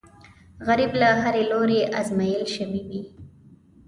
غریب له هرې لورې ازمېیل شوی وي